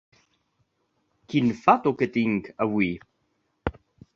Quin fato que tinc, avui!